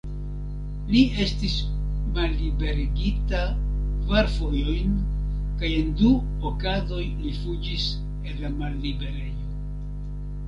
Li estis malliberigita kvar fojojn kaj, en du okazoj, li fuĝis el la malliberejo.